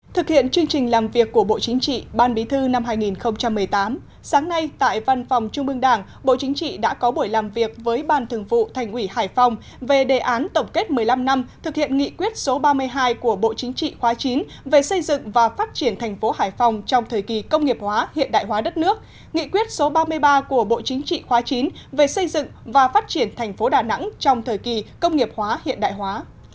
thực hiện chương trình làm việc của bộ chính trị ban bí thư năm hai nghìn một mươi tám sáng nay tại văn phòng trung bương đảng bộ chính trị đã có buổi làm việc với ban thường vụ thành ủy hải phòng về đề án tổng kết một mươi năm năm thực hiện nghị quyết số ba mươi hai của bộ chính trị khóa chín về xây dựng và phát triển thành phố hải phòng trong thời kỳ công nghiệp hóa hiện đại hóa đất nước nghị quyết số ba mươi ba của bộ chính trị khóa chín về xây dựng và phát triển thành phố đà nẵng trong thời kỳ công nghiệp hóa hiện đại hóa